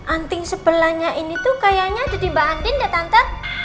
anting sebelahnya ini tuh kayaknya jadi mbak andin ya tante